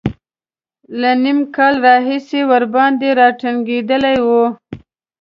له نیم کال راهیسې ورباندې را ټینګېدلی و.